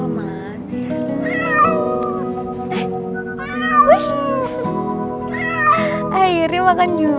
tidak akan ke labour